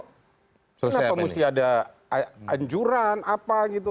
kenapa mesti ada anjuran apa gitu